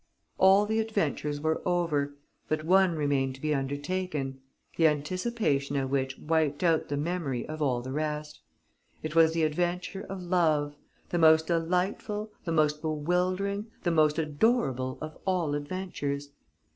All the adventures were over, but one remained to be undertaken, the anticipation of which wiped out the memory of all the rest. It was the adventure of love, the most delightful, the most bewildering, the most adorable of all adventures.